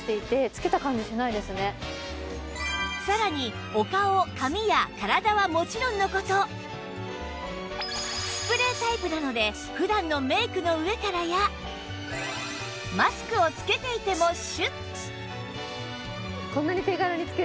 さらにお顔髪や体はもちろんの事スプレータイプなので普段のメイクの上からやマスクをつけていてもシュッ！